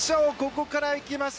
ここからいきます！